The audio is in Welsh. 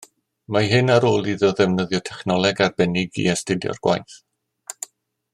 Mae hyn ar ôl iddo ddefnyddio technoleg arbennig i astudio'r gwaith